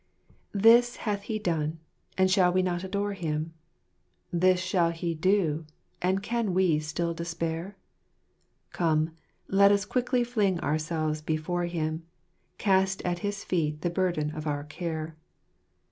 This hath He done ; and shall we not adore Him ? This shall He do ; and can we still despair ? Come, let us quickly fling ourselves before Him, Cast at His feet the burden of our care.